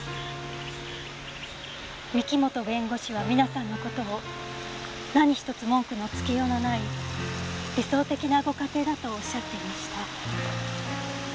御木本弁護士は皆さんの事を何一つ文句のつけようのない理想的なご家庭だとおっしゃっていました。